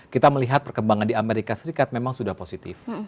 kita melihat perkembangan di amerika serikat memang sudah positif